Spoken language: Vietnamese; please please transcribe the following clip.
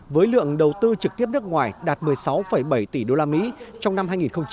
với lượng đầu tư trực tiếp nước ngoài đạt một mươi sáu bảy tỷ usd trong năm hai nghìn hai mươi ba